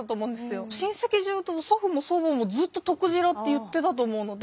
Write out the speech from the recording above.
親戚中祖父も祖母もずっととくじらって言ってたと思うので。